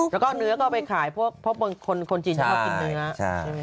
แล้วก็เนื้อก็เอาไปขายเพราะคนจีนชอบกินเนื้อ